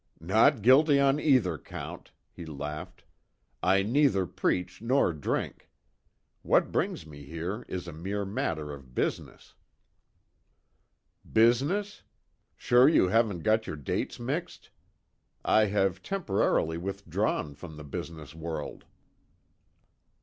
"Not guilty on either count," he laughed, "I neither preach nor drink. What brings me here is a mere matter of business." "Business? Sure you haven't got your dates mixed. I have temporarily withdrawn from the business world."